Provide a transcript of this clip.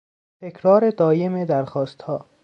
تکرار دایم درخواستها